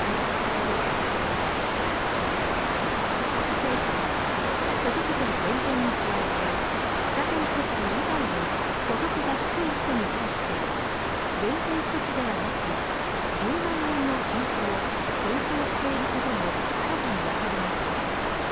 政府は所得税減税に加えて非課税世帯以外の所得が低い人に対して減税措置ではなく１０万円の給付を検討していることも新たにわかりました。